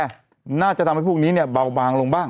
น่าจะทำให้พวกนี้เนี่ยเบาบางลงบ้าง